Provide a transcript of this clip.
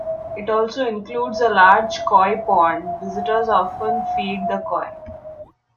It also includes a large koi pond; visitors often feed the koi.